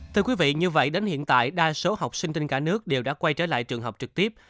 thưa quý vị như vậy đến hiện tại đa số học sinh trên cả nước đều đã quay trở lại trường học trực tiếp